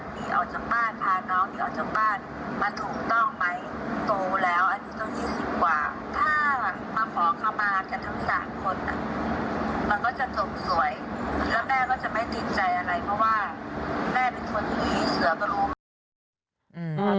เพราะว่าแม่เป็นคนที่เสือกรู